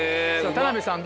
田辺さん